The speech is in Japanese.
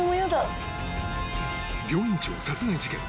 病院長殺害事件。